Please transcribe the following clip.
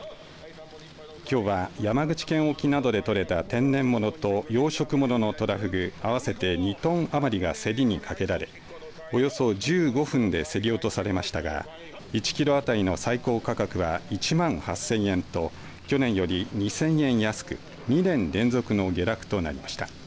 きょうは山口県沖などで取れた天然物と養殖物のトラフグ合わせて２トン余りが競りにかけられ、およそ１５分で競り落とされましたが１キロ当たりの最高価格は１万８０００円と去年より２０００円安く２年連続の下落となりました。